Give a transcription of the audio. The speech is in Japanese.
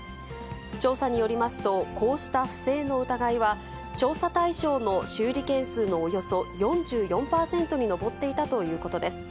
調査によりますと、こうした不正の疑いは、調査対象の修理件数のおよそ４４％に上っていたということです。